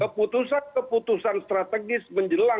keputusan keputusan strategis menjelang